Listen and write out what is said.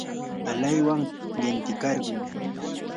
alaywan qintikarquu.